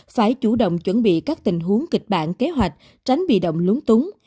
phải chủ động chuẩn bị các tình huống kịch bản kế hoạch tránh bị động lúng túng